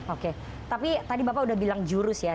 oke tapi tadi bapak udah bilang jurus ya